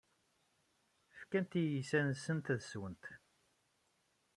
Fkant i yiysan-nsent ad swent.